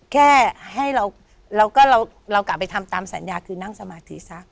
แค่ให้เรากลับไปทำตามสัญญาคือนั่งสมาธิศักดิ์